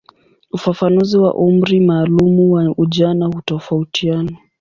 Ufafanuzi wa umri maalumu wa ujana hutofautiana.